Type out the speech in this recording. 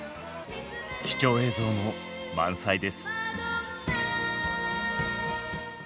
貴重映像も満載です。